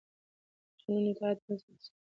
د قانون اطاعت نظم ساتي